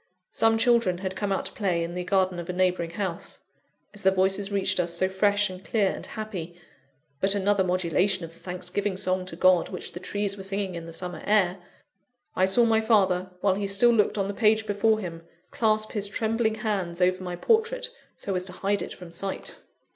Some children had come out to play in the garden of a neighbouring house. As their voices reached us, so fresh, and clear, and happy but another modulation of the thanksgiving song to God which the trees were singing in the summer air I saw my father, while he still looked on the page before him, clasp his trembling hands over my portrait so as to hide it from sight.